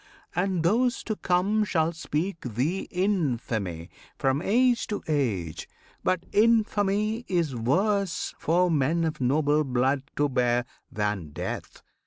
And those to come shall speak thee infamy From age to age; but infamy is worse For men of noble blood to bear than death!